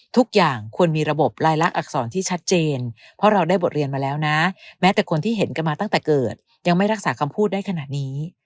ทุกอย่างควรมีระบบลายลักษณอักษรที่ชัดเจนเพราะเราได้บทเรียนมาแล้วนะแม้แต่คนที่เห็นกันมาตั้งแต่เกิดยังไม่รักษาคำพูดได้ขนาดนี้